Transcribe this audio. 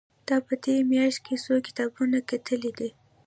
تا په دې مياشت کې څو کتابونه کتلي دي؟